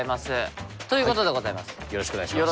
よろしくお願いします。